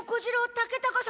竹高様。